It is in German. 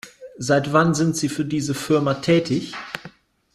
Seit wann sind Sie für diese Firma tätig?